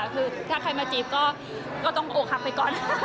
คือถ้าใครมาจีบก็ต้องโอฮักไปก่อน